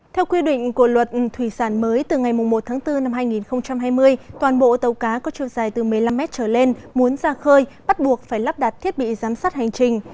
theo quy định của luật thủy sản mới từ ngày một tháng bốn năm hai nghìn hai mươi toàn bộ tàu cá có chiều dài từ một mươi năm mét trở lên muốn ra khơi bắt buộc phải lắp đặt thiết bị giám sát hành trình